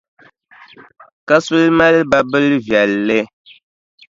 Kasuli mali babilʼ viɛlli.